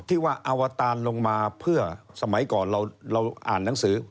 ที่ว่าอวตารลงมาเพื่อสมัยก่อนเราอ่านหนังสือ